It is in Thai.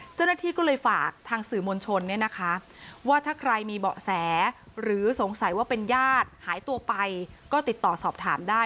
เจ้าหน้าที่ก็เลยฝากทางสื่อมวลชนเนี่ยนะคะว่าถ้าใครมีเบาะแสหรือสงสัยว่าเป็นญาติหายตัวไปก็ติดต่อสอบถามได้